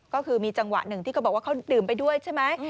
ก็คือมีจังหวะหนึ่งที่เขาบอกว่าเขาดื่มไปด้วยใช่ไหม